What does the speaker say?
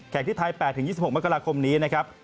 ที่ไทย๘๒๖มกราคมนี้นะครับ